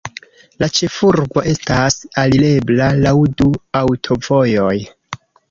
La ĉefurbo estas alirebla laŭ du aŭtovojoj.